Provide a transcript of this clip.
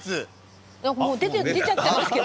もう出ちゃったんですけど。